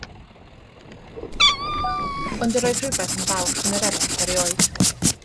Ond yr oedd rhywbeth yn falch yn yr eneth erioed.